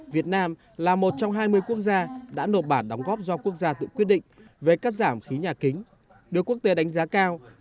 việt nam là một trong hai mươi quốc gia đã nộp bản đóng góp do quốc gia tự quyết định về cắt giảm khí nhà kính được quốc tế đánh giá cao